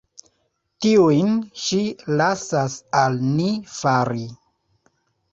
Tiujn ŝi lasas al ni fari.